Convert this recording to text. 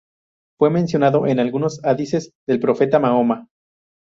Fue mencionado en algunos hadices del profeta Mahoma.